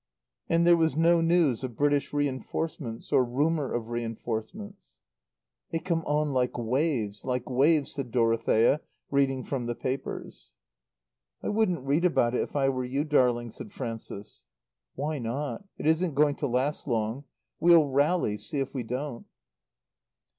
And there was no news of British reinforcements, or rumour of reinforcements. "They come on like waves. Like waves," said Dorothea, reading from the papers. "I wouldn't read about it if I were you, darling," said Frances. "Why not? It isn't going to last long. We'll rally. See if we don't."